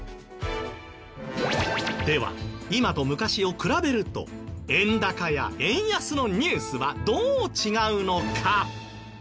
では今と昔を比べると円高や円安のニュースはどう違うのか？